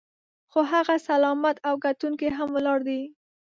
خو هغه سلامت او ګټونکی هم ولاړ دی.